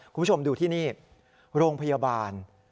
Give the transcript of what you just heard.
คุณผู้ชมดูที่นี่โรงพยาบาล